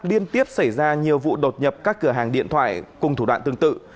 liên tiếp xảy ra nhiều vụ đột nhập các cửa hàng điện thoại cùng thủ đoạn tương tự